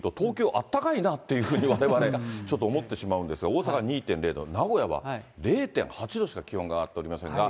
あったかいなというふうに、われわれちょっと、思ってしまうんですが、大阪２．０度、名古屋は０．８度しか、気温が上がっておりませんが。